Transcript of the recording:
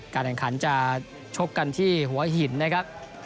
แข่งขันจะชกกันที่หัวหินนะครับ